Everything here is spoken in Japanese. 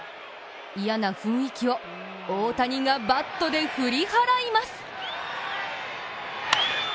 嫌な雰囲気を大谷がバットで振り払います。